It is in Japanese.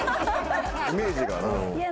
イメージがな。